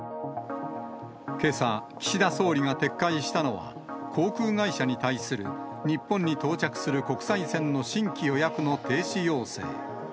けさ岸田総理が撤回したのは、航空会社に対する、日本に到着する国際線の新規予約の停止要請。